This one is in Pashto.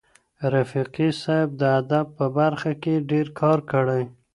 رفیقي صاحب د ادب په برخه کي ډېر کار کړی.